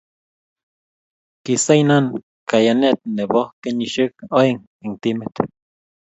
kisainan kayane nebo kenyisiek oeng' eng' timit